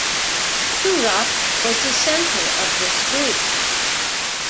Toorop was the center of this group.